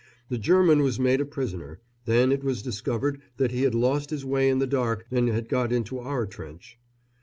The German was made a prisoner, then it was discovered that he had lost his way in the dark and had got into our trench.